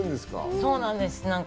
そうなんです。